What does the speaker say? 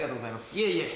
いえいえ。